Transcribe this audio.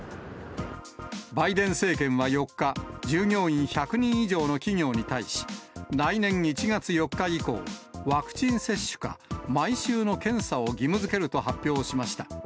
バイデン政権は４日、従業員１００人以上の企業に対し、来年１月４日以降、ワクチン接種か、毎週の検査を義務づけると発表しました。